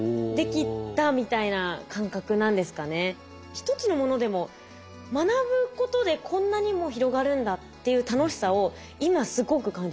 一つのものでも学ぶことでこんなにも広がるんだっていう楽しさを今すごく感じてます。